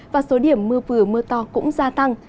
và số điểm mưa vừa mưa to cũng gia tăng